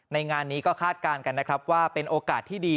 งานนี้ก็คาดการณ์กันนะครับว่าเป็นโอกาสที่ดี